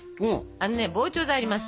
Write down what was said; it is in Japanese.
あのね膨張剤あります。